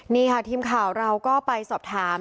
นี่ค่ะทีมข่าวเราก็ไปสอบถาม